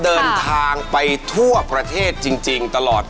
เดินทางไปทั่วประเทศจริงตลอด